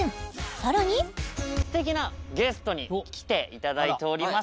さらにすてきなゲストに来ていただいております